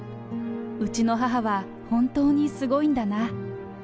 うちの母は本当にすごいんだな。